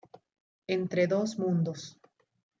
Entre dos mundos.